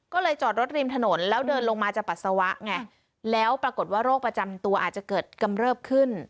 ก็เลยจอดรถริมถนนแล้วเดินลงมาจะปัสสาวะไงแล้วปรากฏว่าโรคประจำตัวอาจจะเกิดกำเริบขึ้น